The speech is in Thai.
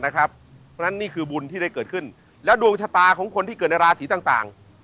เพราะฉะนั้นนี่คือบุญที่ได้เกิดขึ้นแล้วดวงชะตาของคนที่เกิดในราศีต่าง